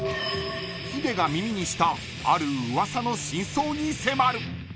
ヒデが耳にしたあるうわさの真相に迫る。